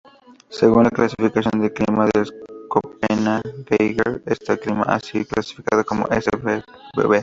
Según la Clasificación del Clima de Köppena-Geiger este clima ha sido clasificado como Cfb.